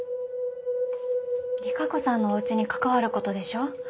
利佳子さんのおうちに関わることでしょ。